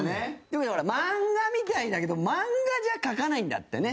漫画みたいだけど漫画じゃ描かないんだってね。